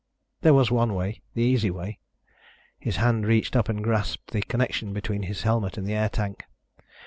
There was one way, the easy way. His hand reached up and grasped the connection between his helmet and the air tank.